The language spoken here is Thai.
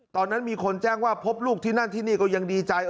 ตอนนั้นมีคนแจ้งว่าพบลูกที่นั่นที่นี่ก็ยังดีใจ